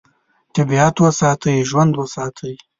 طبیعت وساتئ، ژوند وساتئ.